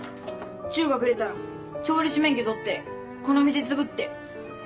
中学出たら調理師免許取ってこの店継ぐって。